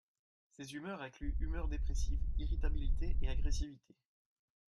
Ces humeurs incluent humeur dépressive, irritabilité et agressivité.